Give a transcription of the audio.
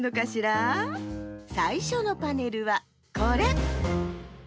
さいしょのパネルはこれ！